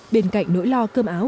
bên cạnh nỗi lo cơm áo